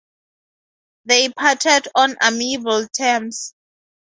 They parted on amiable terms.